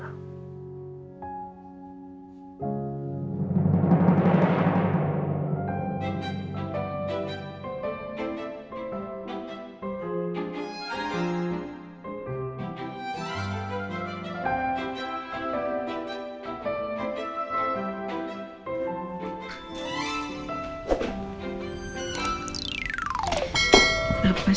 aku nggak ta'ol